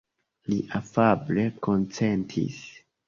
Li afable konsentis.